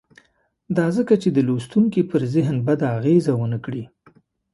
دا ځکه چې د لوستونکي پر ذهن بده اغېزه ونه کړي.